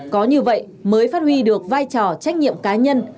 có như vậy mới phát huy được vai trò trách nhiệm cá nhân